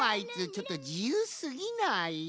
ちょっとじゆうすぎない？